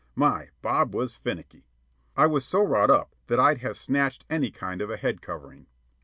My, Bob was finicky. I was so wrought up that I'd have snatched any kind of a head covering.